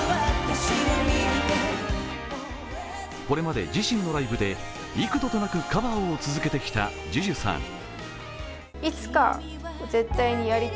これまで自身のライブで幾度となくカバーを続けてきたＪＵＪＵさん。